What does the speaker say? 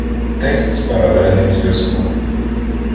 Текст з паралельним зв'язком